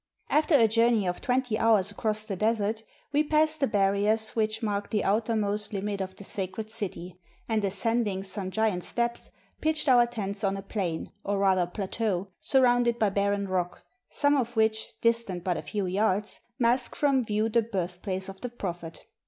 After a journey of twenty hours across the Desert, we passed the barriers which mark the outermost limit of the sacred city, and, ascending some giant steps, pitched 538 A PILGRIMAGE TO MECCA our tents on a plain, or rather plateau, surrounded by barren rock, some of which, distant but a few yards, mask from view the birthplace of the Prophet.